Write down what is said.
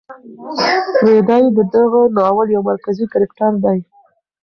رېدی د دغه ناول یو مرکزي کرکټر دی.